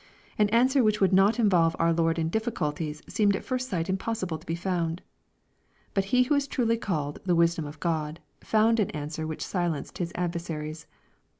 An answer which would not involve our Lord in difficulties, seemed at first sight impossible to be found. But He who is truly called '^ the wisdom of God,'' found an answer which silenced His adversaries.